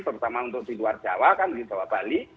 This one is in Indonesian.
terutama untuk di luar jawa kan di jawa bali